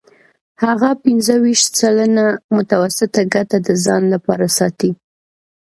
هغه پنځه ویشت سلنه متوسطه ګټه د ځان لپاره ساتي